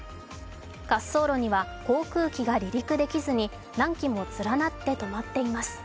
滑走路には航空機が離陸できずに何機も連なって止まっています。